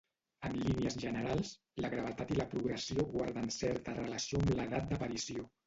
En línies generals, la gravetat i la progressió guarden certa relació amb l'edat d'aparició.